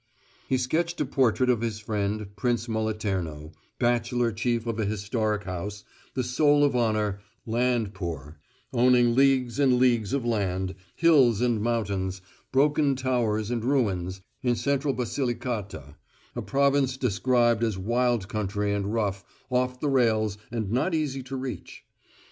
He sketched a portrait of his friend, Prince Moliterno, bachelor chief of a historic house, the soul of honour, "land poor"; owning leagues and leagues of land, hills and mountains, broken towers and ruins, in central Basilicata, a province described as wild country and rough, off the rails and not easy to reach.